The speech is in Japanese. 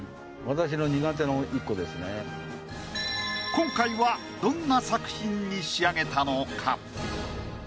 今回はどんな作品に仕上げたのか？